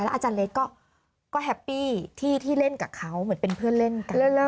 อาจารย์เล็กก็แฮปปี้ที่เล่นกับเขาเหมือนเป็นเพื่อนเล่นกัน